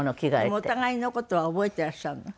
お互いの事は覚えていらっしゃるの？